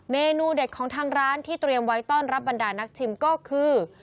เมนูเด็ดของทางร้านที่เตรียมไว้ต้อนรับบรรดานักชิมก็คือ